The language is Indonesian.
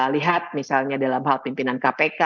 lihat misalnya dalam hal pimpinan kpk